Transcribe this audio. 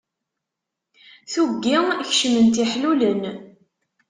Tuggi kecmen-tt iḥlulen.